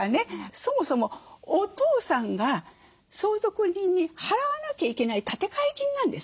そもそもお父さんが相続人に払わなきゃいけない立て替え金なんです。